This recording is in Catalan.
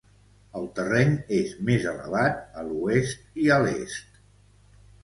El terreny és més elevat a l'oest i a l'est.